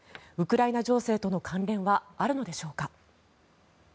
ウクライナ情勢との関連はあるのでしょうか。